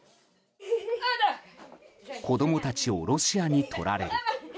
子供たちをロシアにとられる。